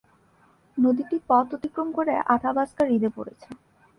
নদীটি পথ অতিক্রম করে আথাবাস্কা হ্রদে পড়েছে।